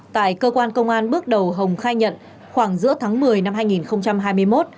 tại cơ quan công an bước đầu hồng khai nhận khoảng giữa tháng một mươi năm hai nghìn hai mươi một